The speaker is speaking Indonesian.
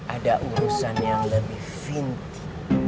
ada urusan yang lebih vintage